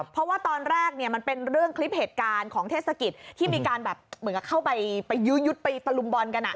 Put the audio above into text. เพราะว่าตอนแรกเนี่ยมันเป็นเรื่องคลิปเหตุการณ์ของเทศกิจที่มีการแบบเหมือนกับเข้าไปยื้อยุดไปตะลุมบอลกัน